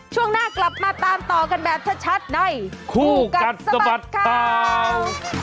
ช่วงหน้ากลับมาตามต่อกันแบบชัดในคู่กัดสะบัดข่าว